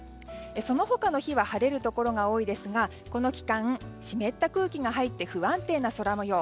その他の日は晴れるところが多いですが、この期間湿った空気が入って不安定な空模様。